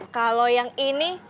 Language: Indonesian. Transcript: kalau yang ini